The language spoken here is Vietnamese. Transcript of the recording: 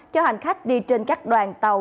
cho hành khách đi trên các đoàn tàu